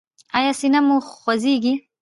ایا سینه مو خوږیږي؟